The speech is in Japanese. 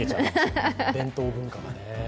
伝統文化だね。